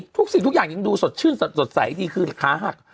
สิ่งทุกอย่างยังดูสดชื่นสดใสดีคือขาหัก